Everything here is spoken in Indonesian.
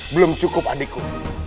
belum cukup adikku